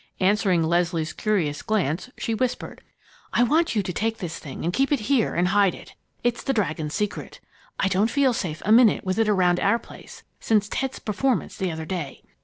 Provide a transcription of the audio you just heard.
Answering Leslie's curious glance, she whispered: "I want you to take this thing and keep it here and hide it. It's 'The Dragon's Secret.' I don't feel safe a minute with it around our place since Ted's performance the other day.